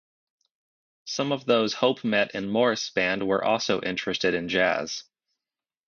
Some of those Hope met in Morris' band were also interested in jazz.